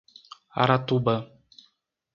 Aratuba